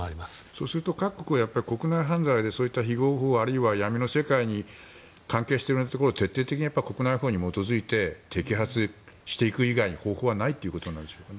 そうすると各国は国内犯罪で、非合法あるいは闇の世界に関係しているようなところを徹底的に国内法に基づいて摘発していく以外に方法はないということなんでしょうか。